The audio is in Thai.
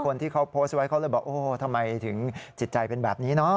คนที่เขาโพสต์ไว้เขาเลยบอกโอ้โหทำไมถึงจิตใจเป็นแบบนี้เนอะ